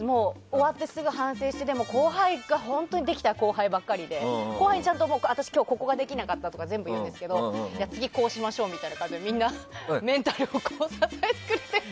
終わってすぐ反省して後輩が本当にできた後輩ばかりで今日は私ここができなかったとか全部言うんですけどじゃあ、次はこうしましょうみたいな感じでみんなメンタルを支えてくれてる。